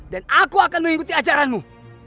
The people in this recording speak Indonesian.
dan aku akan mengikuti ajaranmu